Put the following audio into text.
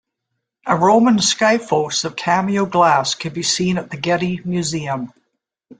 A Roman "skyphos" of cameo glass can be seen at the Getty Museum.